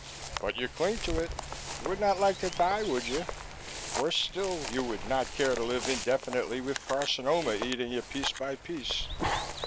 "But you cling to it. You would not like to die, would you? Worse still, you would not care to live indefinitely with carcinoma eating you piece by piece."